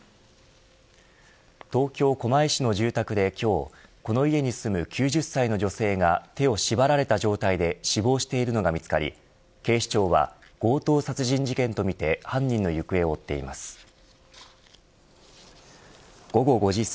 東京、狛江市の住宅で今日この家に住む９０歳の女性が手を縛られた状態で死亡しているのが見つかり警視庁は強盗殺人事件とみて犯人の行方を追っています。